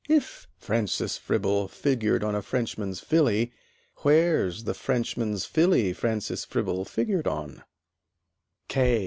If Francis Fribble figured on a Frenchman's Filly, Where's the Frenchman's Filly Francis Fribble figured on?